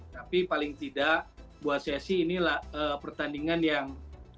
tapi paling tidak buat saya sih ini pertandingan yang